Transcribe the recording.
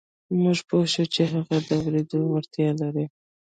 موږ پوه شوو چې هغه د اورېدو وړتيا لري.